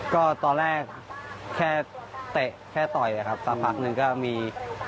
ก็ตอนแรกแค่เตะแค่ต่อยครับสักพักหนึ่งก็มี